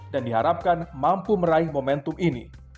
dan diharapkan mampu meraih momentum ini